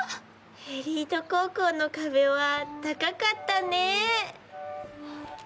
エリート高校の壁は高かったね。